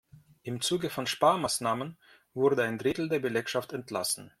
Im Zuge von Sparmaßnahmen wurde ein Drittel der Belegschaft entlassen.